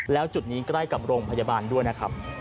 แล้วจุดนี้ใกล้กับโรงพยาบาลด้วยนะครับ